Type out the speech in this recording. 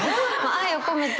愛を込めて。